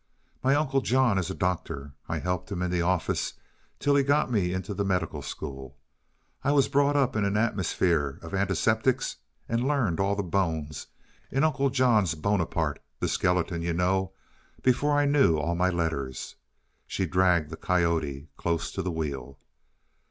"My Uncle John is a doctor. I helped him in the office till he got me into the medical school. I was brought up in an atmosphere of antiseptics and learned all the bones in Uncle John's 'Boneparte' the skeleton, you know before I knew all my letters." She dragged the coyote close to the wheel.